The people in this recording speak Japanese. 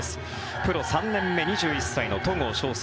プロ３年目、２１歳の戸郷翔征。